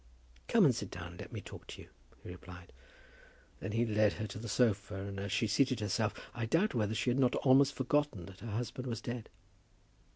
"Come and sit down and let me talk to you," he replied. Then he led her to the sofa, and as she seated herself I doubt whether she had not almost forgotten that her husband was dead.